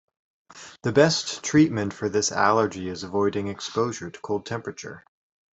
The best treatment for this allergy is avoiding exposure to cold temperature.